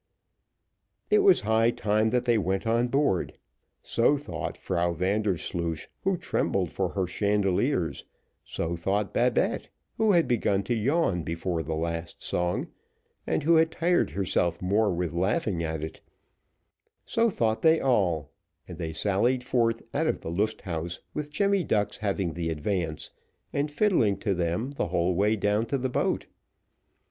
It was high time that they went on board; so thought Frau Vandersloosh, who trembled for her chandeliers; so thought Babette, who had begun to yawn before the last song, and who had tired herself more with laughing at it; so thought they all, and they sallied forth out of the Lust Haus, with Jemmy Ducks having the advance, and fiddling to them the whole way down to the boat.